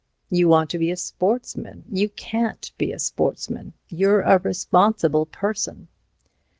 You want to be a sportsman. You can't be a sportsman. You're a responsible person."